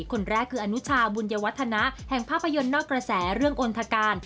คนแรกคืออนุชาบุญวัฒนะแห่งภาพยนตร์นอกกระแสเรื่องอนทการ